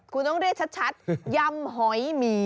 คุณต้องเรียกชัดยำหอยหมี